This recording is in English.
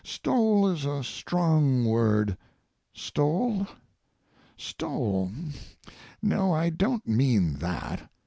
"Stole" is a strong word. Stole? Stole? No, I don't mean that.